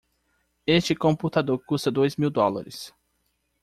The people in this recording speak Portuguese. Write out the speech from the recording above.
Este computador custa dois mil dólares.